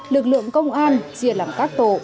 lực lượng công an chia làm các tổ